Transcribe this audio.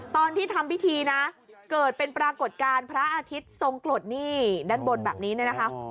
ตอนที่ทำพิธีนะเกิดเป็นปรากฏการณ์พระอาทิตย์ทรงกรดนี่ด้านบนแบบนี้เนี่ยนะคะ